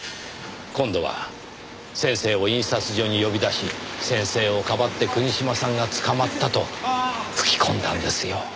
今度は先生を印刷所に呼び出し先生をかばって国島さんが捕まったと吹き込んだんですよ。